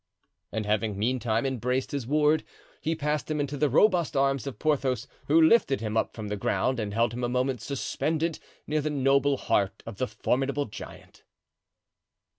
And having, meantime, embraced his ward, he passed him into the robust arms of Porthos, who lifted him up from the ground and held him a moment suspended near the noble heart of the formidable giant.